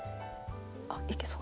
あっいけそう。